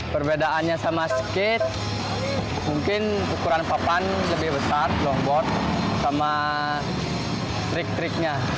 perbedaannya sama skate mungkin ukuran papan lebih besar longboard sama trik triknya